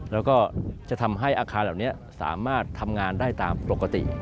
แล้วก็จะทำให้อาคารเหล่านี้สามารถทำงานได้ตามปกติ